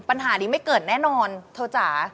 ปัญหานี้ไม่เกิดแน่นอนเธอจ๋า